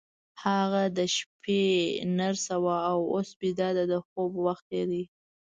هغه د شپې نرس وه، اوس بیده ده، د خوب وخت یې دی.